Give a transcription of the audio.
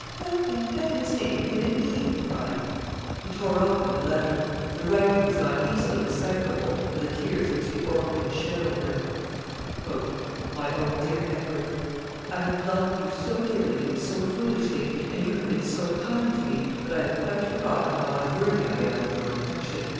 What, in Heaven's name, can it mean?" he cried. He tore open the letter. The writing was not easily decipherable for the tears which the orphan girl had shed over it. "MY OWN DEAR EDWARD, I have loved you so dearly and so foolishly, and you have been so kind to me, that I have quite forgotten how unworthy I am of your affection.